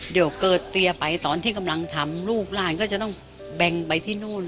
เดี๋ยวเกิดเตียไปตอนที่กำลังทำลูกหลานก็จะต้องแบ่งไปที่นู่น